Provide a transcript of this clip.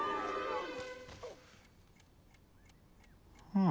うん？